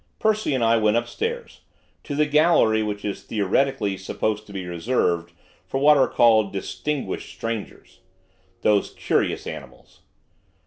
Percy and I went upstairs, to the gallery which is theoretically supposed to be reserved for what are called 'distinguished strangers,' those curious animals.